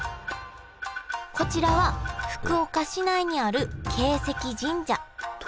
こちらは福岡市内にある鶏石神社。